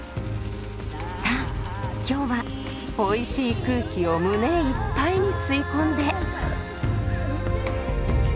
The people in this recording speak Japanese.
さあ今日はおいしい空気を胸いっぱいに吸い込んで。